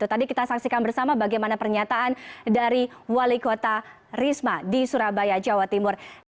tadi kita saksikan bersama bagaimana pernyataan dari wali kota risma di surabaya jawa timur